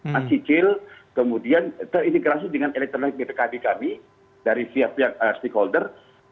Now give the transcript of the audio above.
mas cicil kemudian terintegrasi dengan elektronik bpkb kami dari setiap pihak stakeholder